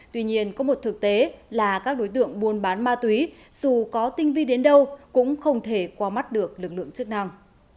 tuy nhiên có một thực tế là các đối tượng buôn bán ma túy dù có tinh vi đến đâu cũng không thể qua mắt được lực lượng chức năng